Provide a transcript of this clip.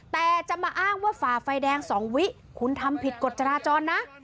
แต่จะมาอ้างว่าฝ่าไฟแดง๒วิคุณทำผิดกฎจราจรนะ